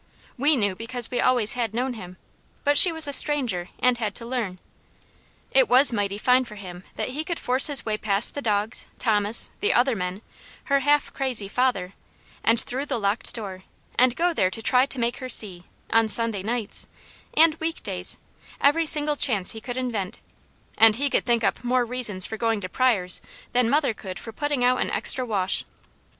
We knew, because we always had known him, but she was a stranger and had to learn. It was mighty fine for him that he could force his way past the dogs, Thomas, the other men, her half crazy father, and through the locked door, and go there to try to make her see, on Sunday nights, and week days, every single chance he could invent, and he could think up more reasons for going to Pryors' than mother could for putting out an extra wash.